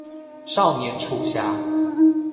少年廚俠